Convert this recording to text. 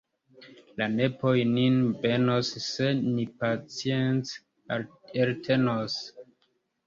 La nepoj nin benos se ni pacience eltenos!